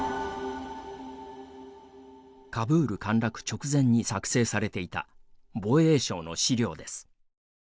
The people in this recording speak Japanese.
カブール陥落直前に作成されていた防衛省の資料です。